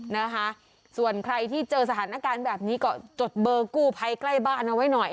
นะคะส่วนใครที่เจอสถานการณ์แบบนี้ก็จดเบอร์กู้ภัยใกล้บ้านเอาไว้หน่อย